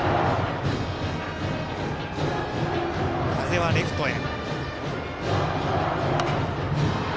風はレフトへ。